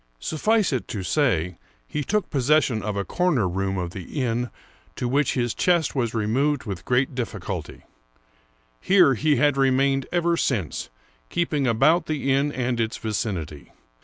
Suffice it to say, he took possession of a corner > Shabby. * Noisy. i8i American Mystery Stories room of the inn, to which his chest was removed with great difficulty. Here he had remained ever since, keeping about the inn and its vicinity.